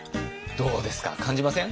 どうですか感じません？